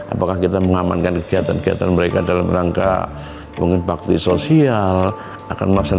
apakah kita mengamankan kegiatan kegiatan mereka dalam rangka mungkin bakti sosial akan menghasilkan